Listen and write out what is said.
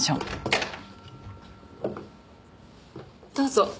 どうぞ。